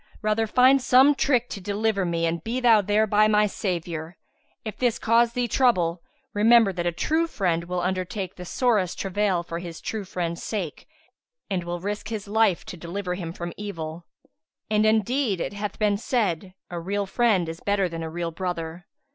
Rather find some trick to deliver me and be thou thereby my saviour. If this cause thee trouble, remember that a true friend will undertake the sorest travail for his true friend's sake and will risk his life to deliver him from evil; and indeed it hath been said, 'A leal friend is better than a real brother.'